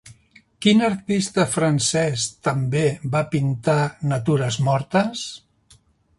Quin artista francès també va pintar natures mortes?